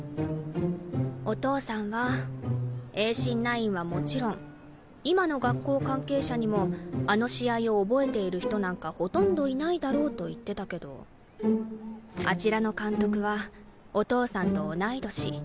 お父さんは栄新ナインはもちろん今の学校関係者にもあの試合を覚えている人なんかほとんどいないだろうと言ってたけどあちらの監督はお父さんと同い年。